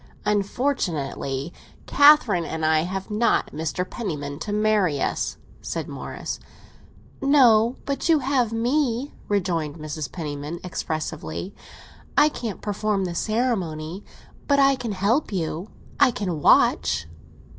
"Unfortunately Catherine and I have not Mr. Penniman to marry us," said Morris. "No, but you have me!" rejoined Mrs. Penniman expressively. "I can't perform the ceremony, but I can help you. I can watch."